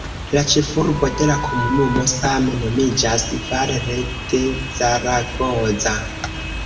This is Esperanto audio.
La ĉefurbo de la komunumo same nomiĝas "Valle de Zaragoza".